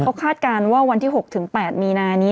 เขาคาดการณ์ว่าวันที่๖๘มีนานี้